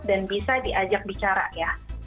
dan bisa diajak bicara ya